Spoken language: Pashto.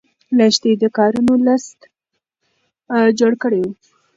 لښتې د کارونو لست جوړ کړی و.